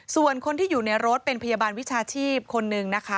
ส่วนคนที่อยู่ในรถเป็นพยาบาลวิชาชีพคนหนึ่งนะคะ